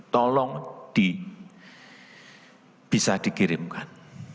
tolong bisa dikirimkan